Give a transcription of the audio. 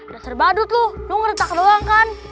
dasar badut lu lu ngeretak doang kan